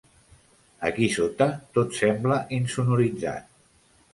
Aquí sota tot sembla insonoritzat.